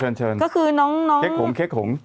เออชนก็คือน้องน้องเคคหงษ์